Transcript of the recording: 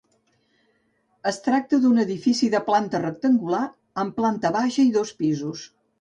Es tracta d'un edifici de planta rectangular, amb planta baixa i dos pisos.